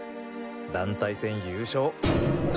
団体戦優勝。